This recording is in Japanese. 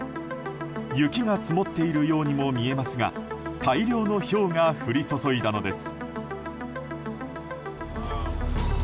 雪が積もっているようにも見えますが大量のひょうが降り注いだのです。